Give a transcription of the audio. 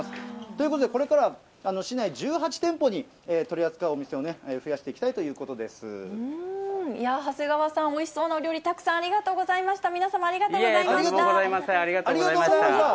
ということで、これからは市内１８店舗に取り扱うお店を増やしていきたいという長谷川さん、おいしそうなお料理、たくさんありがとうございました。